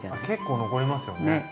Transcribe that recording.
結構残りますよね。